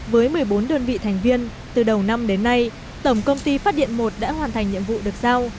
với một mươi bốn đơn vị thành viên từ đầu năm đến nay tổng công ty phát điện một đã hoàn thành nhiệm vụ được giao